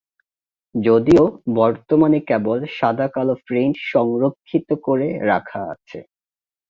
যদিও বর্তমানে কেবল সাদা কালো প্রিন্ট সংরক্ষিত করে রাখা আছে।